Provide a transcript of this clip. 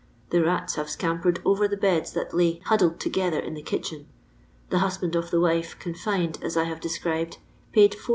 The rats have scampered over tlie beds that lay huddled together in the kitchen. The husband of the wife confined ns I liave described paid 4s.